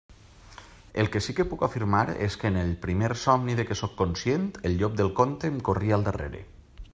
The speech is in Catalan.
El que sí que puc afirmar és que en el primer somni de què sóc conscient, el llop del conte em corria al darrere.